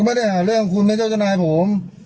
ก็ไม่ได้หาเรื่องคุณเนี่ยเจ้าจังรายผม